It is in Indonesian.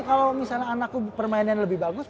kalau misalnya anakku permainan lebih bagus